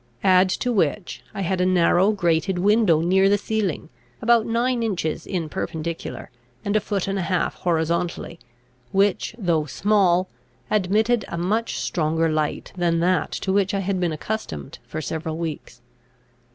Add to which, I had a narrow grated window near the ceiling, about nine inches in perpendicular, and a foot and a half horizontally, which, though small, admitted a much stronger light than that to which I had been accustomed for several weeks.